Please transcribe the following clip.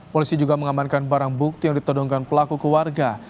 polisi juga mengamankan barang bukti yang ditodongkan pelaku ke warga